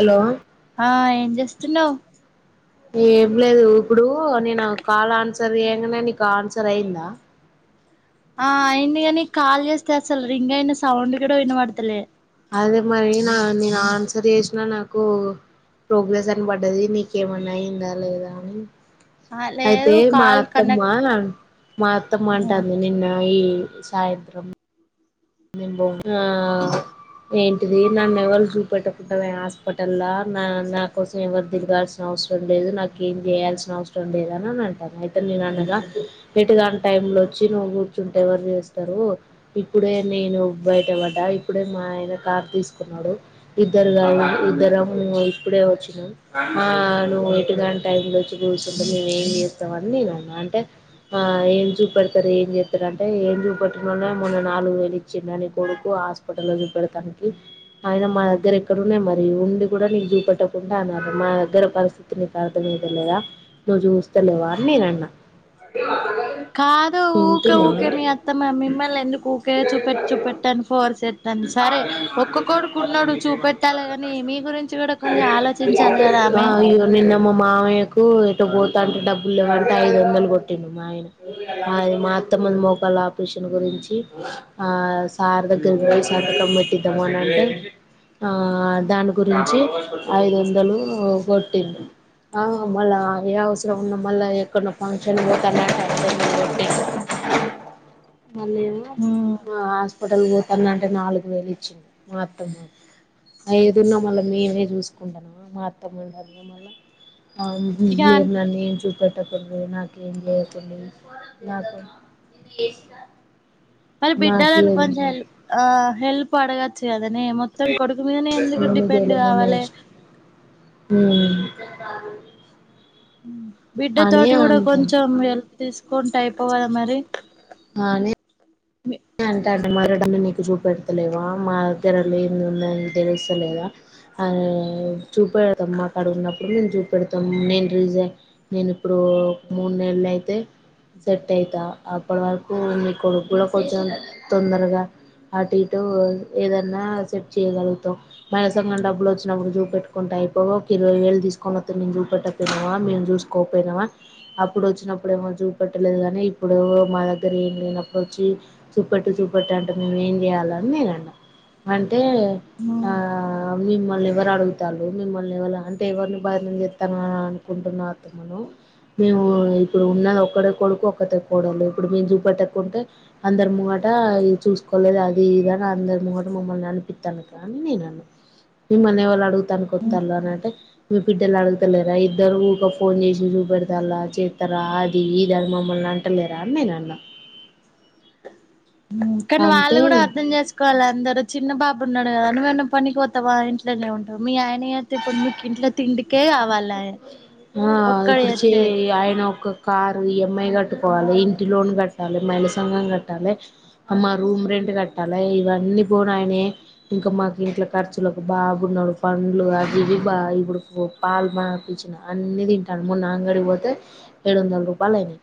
Hello ఆ ఏం చేస్తున్నావ్ ఏం లేదు ఇప్పుడు నేను కాల్ ఆన్సర్ చేయగానే నీకు ఆన్సర్ అయిందా ఆ అయింది కాని కాల్ చేస్తే అసలు రింగ్ అయిన సౌండ్ కూడా వినబడతలే అదే మరి నా నేను ఆన్సర్ చేసినా నాకు ప్రోగ్రెస్ అన పడ్డది, నీకేమన్నా అయందా లేదా అని ఆ అయితే లేదు మా కాల్ కనెక్ట్ అత్తమ్మా మ అత్తమ్మ అంటంది నిన్న ఈ సాయంత్రం ఆ ఏంటిది న్న నెవల్ చూపెట్టటుకుంట హాస్పటల్లా నా నా కుస తిరగాల్సిన అవసరం లేదు, నాకు ఏం చేయాల్సిన అవసరం లేదుని అని అంటాను, అయితే నేను అన్నలా ఎటుగాని టై లో వచ్చి నువ్వు కూర్చుంటే ఎవరు చేస్తారు ఇప్పుడే నేను బయట పడ్డా ఇప్పుడే మా ఆయన కార్ తీసుకున్నాడు, ఇద్దరు కావు ఇద్దర ఇప్పుడే వచ్చినం, నువ్వు ఇటుగాంట టైంలో వచ్చి కూూచకుంటే నేను ఏం చేస్తావ అని నేను అన్నా, అంటే ఏం చూపెడతారు ఏం చేస్తారు అంటే ఏం చూపెన మొన్న నాలుగు వేలు వచ్చి నీ కొడుకు హాస్పిటల్లో చూపెడతానికి ఆయన మా దగ్గర ఎక్కడన్నాయి మరి ఉండి కూడా నీకు చూపెట్టకుండా అన్నారు, మా దగ్గర పరిస్థితి నీకు అర్థమద లేదా నువ్వు చూస్తలేవా అని నేను అన్నా కాదు ఊకే వింటున్నావా ఊకే మీ అత్తమ్మ మిమ్మల్ని ఎందుకు ఊకే చూపెట్ చుపట్టన్ ఫోర్స్ చేత్తంది సరే ఒక్క కొడుకు ఉన్నాడు చూపెట్టాలి కాని మీ గురించి కూడా కొంచెం ఆలోచించాలి కదా ఆమె అయో నిన్న మా మామయకు ఏ టుపో టే డబ్బులు లేవంటే ఐదు వందలు కొట్టిం మా ఆయన, అది మాత్తమ్మంది మోకాళ్ళ ఆపరేషన్ గురించి, ఆ సార్ దగ్గర పో శతకం పెట్టిద్దాం అని అంటే, ఆ దాని గురించి ఐదు వందలు కొట్టింది, ఆ మళ్ళా ఏ అవసరం ఉన్నా మళ్ళా ఎక్కన్నా ఫంక్షన్ కి పోతన్న [inaudible] మళ్ళమో మ్మ్ మస్ పోటల్ గతన్నా అంటే నాలుగు వేలు ఇచ్చింది, మా అత్తమ్మ ఏదన్నా మళ్ళ మేమే చూసుకుంటాము మా అత్తమ్మ అ మళ్ళ ఆ ఇక లేే నన్న ఏం చూప కట్టకడదు నాకేం లేకుండా నాకు మరి బిడ్డాలని కొంచెం నాకేడున్నయ్ హెల్ప్ ఆ హెల్ప్ పడగాచ్చ అదే నే మొత్తం కొడుకు మీదనే ఎందుకు డిపెండ్ కావాలి మ్ బిడ్డ తోటి కూడా కొంచెం వె తీసుకుంటే అయిపోవాలా మరి అనే మీ అంటే అంటే మరడని నీకు చూపెడతలేవా, మా దగ్గరలో ఏమి ఉందని తెలుస్తలేదా అ చూపద అమ్మా అక్కడ ఉన్నప్పుడు మేను చూ పెడతాం నేన్ రీజన్ నేను ఇప్పుడు మూడు నెళ్లు అయితే, సెట్ అయితా అప్పటి వరకు మీ కొడుకు కొంచెం తొందరగా, అటు ఇటు ఏదన్నా సెట్ చేయగలుగుతాం, మనసంగం డబ్బులు వచ్చినప్పుడు చూ పెట్టుకుంటూ అయిపో ఒక ఇరవై వేలు తీసుకొని వత్త మేము చూపెట్టకపోయినావా మేము చూసుకోకపోయినావా, అప్పుడు వచ్చినప్పుడు ఏమో చూ పెట్టలేదు కానీ, ఇప్పుడు మా దగ్గర ఏం లేనప్పుడు వచ్చి చూపట్టు చూపట్టు అంటే మేము ఏం చేయాలని నేను అన్నా అం అంటే ఆ మిమ్మల్ని ఎవరు అడుగుతారు మిమ్మల్న ఎవలు అంటే ఎవరిని బదునం చెస్తాను అని అనుకుంటున్న, అత్తమ్మ మేము ఇప్పుడు ఉన్నది ఒక్కడే కొడుకు ఒక్కటే కొడలు ఇప్పుడు మేము చూపట్టకుంటే అందరి ముంగట చూసుకోలేదు అది ఇదని అందరి ముంగట మమ్మల్ని అనిపిస్తానుక అని నేను అన్నా, మిమ్మల్ని ఎవళ్ళు అడుగుతానునికి ఒత్తలే అని అంటే మీ బిడ్డలు అడుగుతలేరా ఇద్దరు ఊక ఫోన్ చేసి చూపెడతారు చేస్తారా అది ఇదని మమ్మల్ని అంటలేరా అని నేన అన్నా కానీ వాళ్ళు అంటే కూడా అర్థం చేసుకోవాలి అందరు చిన్న బాబు ఉన్నాడు కదావేన్న పనికి పోతావా ఇంట్లోనే ఉంటావు మీ ఆయనస్తతే ఇప్పుడు మీకు ఇంట్లో తిండికే కావాలా ఆ ఒక్కడు ఇప్పుడు చే చేస్తే ఆయన ఒక కారు ఈఎంఐ కట్టుకోవాలి, ఇంటి లోన్ కట్టాలి, మైళ సంఘం కట్టాలి, మా రూమ్ రెంట్ కట్టాలి, ఇవన్నీ పోనాయనే ఇంకా మాకు ఇంట్లో ఖర్చులకు బాగున్నాడు పండ్లు అవి ఇవి బాగా ఇప్పుడు పాలు మాపించిన అన్ని తింటాను మొన్న అంగడి పోతే ఏడు వందల రూపాయలు అయినాయి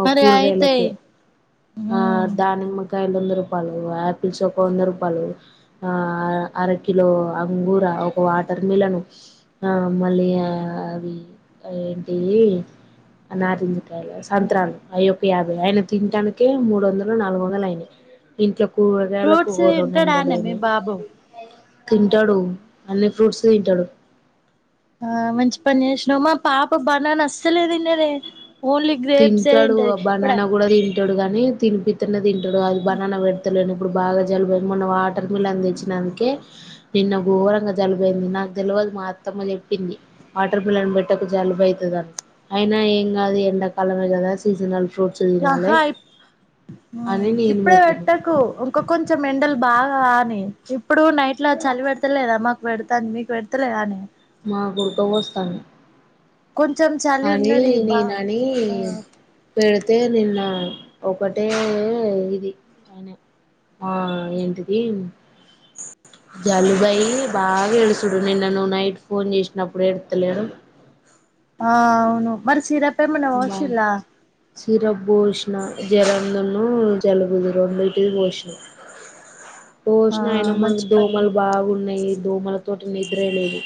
ఓ మరి అయితాయి కూరగాయలకే రకాయలు వంద రూపాయలు ఆపిల్స్ ఒక వంద రూపాయలు, ఆ అరకిలో అంగూర, ఒక వాటర్ మిలన్, ఆ మళ్లీ అవి ఏంటి నారెంజకాయలు, సంత్రాలు అయి ఒక యాభై ఆయన తింటానికి యే మూడు వందలు నాలుగు వందలు అయినాయి ఇంట్లో కూరగాయలకు ఫ్రూట్స్ ఓ రెండు వందలు తింటాడనే మీ అయినాయి బాబు తింటాడు అన్ని ఫ్రూట్స్ తింటాడు ఆ మంచి పని చేసినామా పాప బనానా అసలే తినదే ఓన్లీ గ్రేప్స్ ఏ తింటడు తింటది ఇప్పుడు బనానా కూడా తింటాడు తింటాడు గాని తినిపిస్తానే తింటడు అది బనాన పెడతలేను ఇప్పుడు బాగా జలుబు మొన్న వాటర్ మిలాన్ తెచ్చినందుకే నిన్న ఘోరంగా జలుబు అయింది. నాకు తెలియదు మా అత్తమ్మ చెప్పింది. వాటర్ మిలాన్ పెట్టకు జలుబు అయితదని. అయినా ఏం కాదు ఎండకు కాలమ జద సిజనల్ ఆహా ఇ అని నేను ఇప్పుడే పెట్టిన పెట్టకు ఇంక కొంచెం ఎండలు బాగా కానీ ఇప్ ఇప్పుడు నైట్ లో చలి పెడతలేదా మా పెడతాంది మీకు పెడతలేదనే మాకు ఉడకబొస్తాంది కొంచెం చలి అని ఉన్నది బా నీనాని ఆ పెడ్ అయితే నిన్న ఒకటే ఇది ఆయన ఆ ఏంటిది జలుబ యి బాగా ఎడుసుడు. నిన్న నువ్వు నైట్ ఫోన్ చేసినప్పుడు ఎడతలేడు. ఆ అవును మరి సిరప్ ఏమన్నా బా పోషిల్లా సిరప్ పోషిన జ్వరందును జలుబుదు రెండు ఇటిది పోషినా ఆ పోషిన అయిన మాకి మంచి పని దోమలు బాగున్నాయి దోమల తోటి నిద్రేలేదు.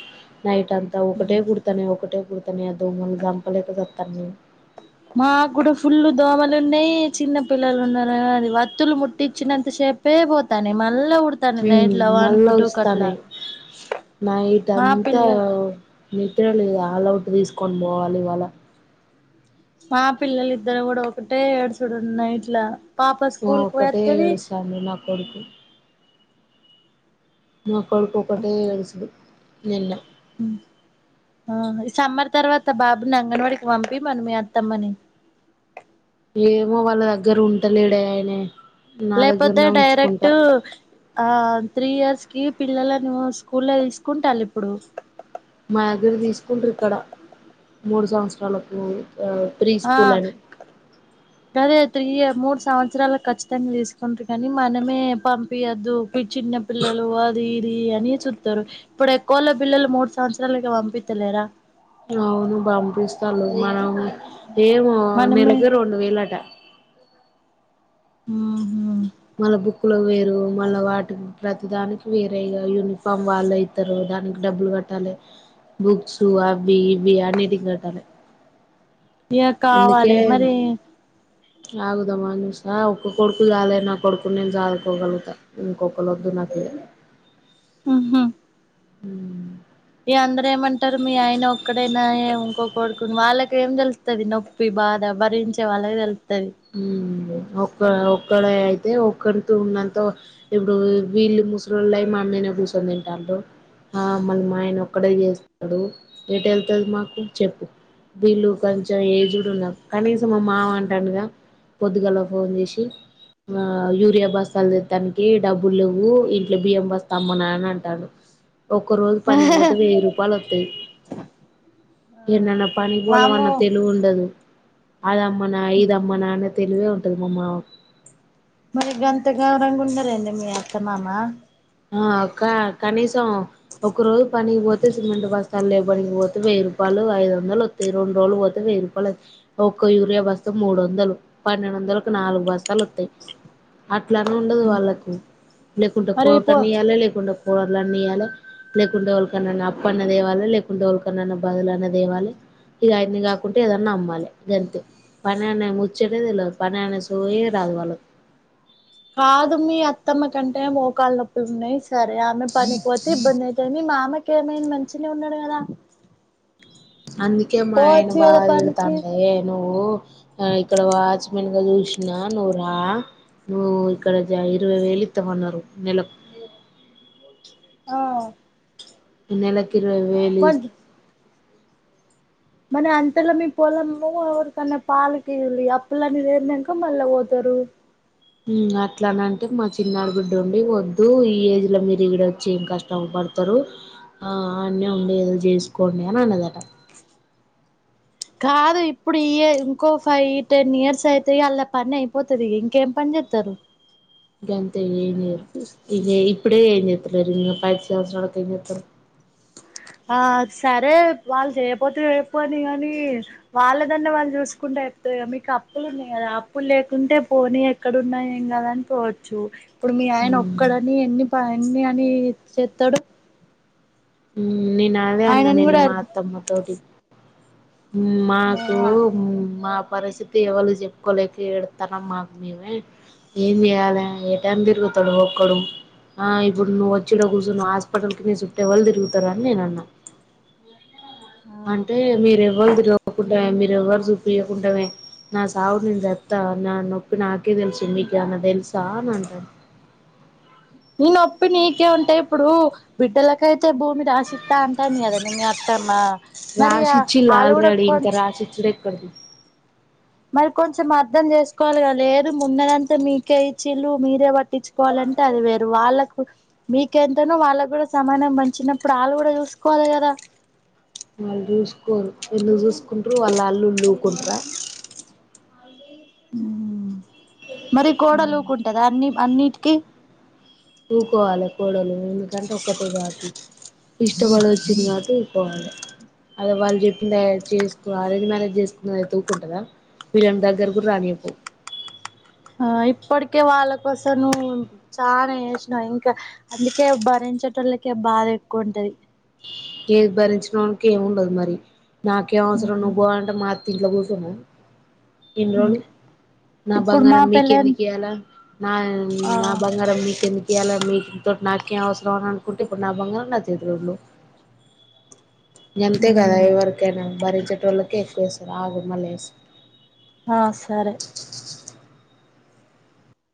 నైట్ అంతా ఒకటే కుడతానే ఒకటే కుత తన్నాయి దోమలు సంప లేక సుతున్న తన్ని మా కూడా ఫుల్లు దోమలు ఉన్నాయి. చిన్న పిల్లలు ఉన్నారు. అది వత్తులు ముట్టించినంత సేపే పోతానై. మళ్ళా ఉడతానయి హు నైట్ల వన్ మళ్ళ కు టూ కట్లా వస్తానే నైట్ మా అంతా పిల్ల నిద్ర లేదు అల్లౌట్ తీసుకొని పోవాలి ఇవాళ మా పిల్లలు ఇద్దరు కూడా ఒకటే ఎడ్సుడు నైట్ల పాప స్కూల్ కు పోయి ఒకటే వత్తది ఏడుస్తాండు నా కొడుకు నా కొడుకు ఒకటే ఏడుస్ నిన్న ఉ ఆ ఈ సమ్మర్ తర్వాత బాబుని అంగన్వాడికి పంపి మన మీ అత్తమ్మని ఏమో వాళ్ళ దగ్గర ఉంటలేడే ఆయనే నా లేకపోతే దగ్గరనే డైరెక్ట్ ఉంచుకుంటా ఆ త్రీ ఇయర్స్ కి పిల్లల ను స్కూల్లో తీసుకుంటా లే ఇప్పుడు మాదు తీసుకుంటుర్రు ఇక్కడ మూడు సంవత్సరాలకు ప్రీ ఆ స్కూల్ అని గదే త్రీ మూడు స్కూల్స్ సంవత్సరాల ఖచ్చితంగా తీసుకుంటారు. కానీ మనమే పంపియద్దు. చిన్న పిల్లలు అది ఇది అని చూతారు. ఇప్పుడు ఎక్కువళ పిల్లలు మూడు సంవత్సరాలకి పంపిత్త లేరా. అవును బాంపిస్తాలు మన ఏమో మనమే నెలకే రెండు వేలట ఆహ మళ్ళా బుక్లు వేరు మళ్ళ, వాటికి ప్రతి దానికి వేరే ఇ యూనిఫామ్ వాళ్ళు ఇతారు దానికి డబ్బులు కట్టాలి, బుక్స్ అవి ఇవి అన్నిటికి కట్టాలి ఇక కావాలి మరి ఆగుదమ్మా చసా ఒక్క కొడుకు కాలే నా కొడుకు నేను చదుకోగలుగుతాను ఇంకొకరు వద్దు నాకు ఆహా హ్మ్ ఇగ అందరూ ఏమంటారు మీ ఆయన ఒక్కడైనా, ఇంకో కొడుకుని వాళ్ళకేం తెలుస్తుది. నొప్పి బాధ భరించే వాళ్ళకి తెల్ హ్మ్ [unintelligible] ఒక్క ఒక్కడ అయితే ఒక్కడితో ఉన్నంత ఇప్పుడు వీళ్ళు ముసలిళ్ళ అయి మా అమ్మేనే కూర్చొని తింటారు, ఆమ్ మళ మాయన ఒక్కడే చేస్తాడు ఎటు వెళ్తుంది మాకు చెప్పు వీళ్ళు కొంచెం ఏజ్డ్ ఉన్నారు, కనీసం మా మావ అంటానుగా పొద్దుగాలో ఫోన్ చేసి ఆ యూరియా బస్తలదతానికి డబ్బులువ్వు, ఇంట్లో బియ్యం బస్త అమ్మనా అని అంటాడు ఒక్క రోజు పనికిపోతే వెయ్యి రూపాయలు వస్తాయి, ఎన్నన్నా పనికి పోదా అన్న వామ్మో తెలిగు ఉండదు అదమ్మనా ఇదమ్మనా న్న తెలివే ఉంటది మమ్మ మరి గంత గౌరంగా ఉండరేందే మీ అత్తమామా ఆవ్ క్కా కనీస్ త్తం ఒక్క రోజు పనికి పోతే సిమెంట్ బస్తాల్ లేవ్ [unintelligible] పోతే వెయ్యి రూపాయలు ఐదు వందలు వత్తాయి రెండు రోజులు పోతే వెయ్యి రూపాయలత్ ఒక్క యూరియా బస్త మూడు వందలు పన్నెండు వందలకు నాలుగు బస్తాలు వత్తాయి అట్ ట్లార్ను ఉండదు వాళ్ళకు లేకుంటక్ మరి పో ధన్నియాలే లేకున్ [unintelligible] కూరలన్ని ఇయ్యాలే లేకుంటే, ఎవరికికన్నాన్న అప్పన్న తేవాలి లేకుంటే, ఎవరికికన్నాన్న బదులున్న దేవాలి. ఇక అయన్ని కాకుంటే, ఏదన్నా అమ్మాలే గంతే పని అనే ముచ్చటే తెల్వద్ పని అనే సోయే రాదు. వాళ్ళక్ కాదు మీ అత్తమ్మ కంటే మోకాళ్ళ్ నొప్పుల్ ఉన్నాయ్ స్ సరే ఆమె పనికి పోతే ఇబ్బంది అయితే ని మామ్మకి కేమైంది మంచిగనే ఉన్నాడు కదా అందుకే మా ఆయన పోవచ్చు బాగ కదా పనికి తిడతండే విను నువ్వు ఆ ఇక్కడ వాచ్మెన్ గా చూసినాన్ నువ్వు రా నువ్వు ఇక్కడ [unintelligible] ఇరవై వేలు ఇత్తామన్నారు నెలక్ ఆ నేలక్ ఇరవైవేలు మరి అంతలో మ పోలము ఎవరికన్నా పాలకి అప్పులని లేేనాక మళ్ళా పోతారు. అట్లా అనంటే మా చిన్నాడు గుడ్డు ఉండి, వద్దు ఈ ఏజ్ లో మీరు ఇక్కడ వచ్చి ఏం కష్ట పడతారు, ఆ అన్నీ ఉండి ఏదో చేసుకోండి అని అన్నదట. కాదు ఇప్పుడు ఈ ఇంకో ఫైవ్ టెన్ ఇయర్స్ అయితేయి అళ్లా పని అయిపోతుంది ఇ ఇంకేం పని చెస్తారు. గంతే ఇ ఇప్పుడే క [unintelligible] పది సంవత్సరాల తరువాత ఎం చేస్తాం ఆ సరే వాళ్ళు చేయపోతే అయిపోని కానీ, వాళ్ళదన్నే వాళ్ళు చూసుకుంటే అయిపోతయి క మీకు అప్పులు ఉన్నాయి కదా, అప్పులు లేకుంటే పోనీ ఎక్కడ ఉన్నాయం కదా అనికోవచ్చు ఇప్పుడు మీ ఆయన ఒక్కడని ఎన్ని ఎన్ని అని చెత్తడు ఉ నీను అదే అన్నా ఆయనను నేను కూడా మా అర్ అత్తమ్మ తోటి మాకు ఆ మా పరిస్థితి ఎవళు చెప్పుకోలేక ఏడుతాన మాకు మేమే ఏం చేయాలి ఏ టైం తిరుగుతాడు ఒక్కడు ఇప్పుడు నువ్వు వచ్చిడ కూర్చొనివ్వు హాస్పిటల్కి న చుట్టే వాళ్ళు తిరుగుతారుని నేను అన్నా ఆ అంటే మీరే [unintelligible] మీరు ఎవ్వరు చూపించకుంటావే నా సావు నేను దత్తా నా నొప్పి నాకే తెలుసు మీకు అన్న తెలుసా అని అంటాను నీ నొప్పి నీకే ఉంటా ఇప్పుడు బిడ్డలకైతే భూమి రాసిస్తా అంటందిగా మీ అత్తామ్మా రాసిచ్చిల ఆల్రెడీ ఇంకా రాసి ఇచ్చడు ఎక్కడ మరి కొంచెం అర్ధం చేసుకోవాలి కద లేదు ఉన్నడంత మీకే ఇచిల్లు మీరేవ పట్టించుకోవాలంటే అది వేరు వాళ్ళకి మీకెంతనో వాళ్ళకు కూడా సమానం పంచినప్పుడు వాళ్ళు కూడా చూసుకోవాలి కదా వాళ్ళు చూసురో ఎన్నో చూసుకుంటారు వాళ్ళు అల్లులు ఉకుంటార ఉ మరి కోడలుకుంటది అన్ని అన్నిటికీ ఉకోవలె కోడలు ఎందుకంటే ఒక్కతే కాబట్టి ఇష్టపడి వచ్చింది కాబట్టి ఉకోవాలి అద వాళ్ళు చెప్పి చేసుకో అరేజ మేనేేజ్ చేస్తుంది ఉకుంటందా వీళ్ళని దగ్గర కూడా రానిపో ఆ ఇప్పటికే వాళ్ళ కోసం నువు చాల చేసినావు ఇంకా అందుకే భరించటళ్ళకే బాధ ఎక్కువ ఉంటది ఏది భరించిన వాళ్ళకే ఏమి ఉండదు మరి నాకేం అవసరం నువ్వు పో అంటే మా ఇంట్లో కుసోనా ఎన్ని రోజులు నా ఇప్పుడు మా బంగారం పెళ్ళైన మీకెందుకు ఇయాలా నా ఆ నా బంగారం మీకెందుకు ఇయాలా మీకు [unintelligible] నాకేం అవసరం అని అనుకుంటే ఇప్పుడు నా బంగారం నా చేతిలో ఉన్నూ గంతే కదా ఎవరికనా బర [unintelligible] ఎక్కువ వేస్తారు అగు మల్లె వేస్తారు ఆ సరే